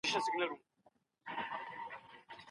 ایا مسواک د انسان په مالي وضعیت کې د برکت نښه کېدای شي؟